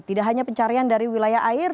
tidak hanya pencarian dari wilayah air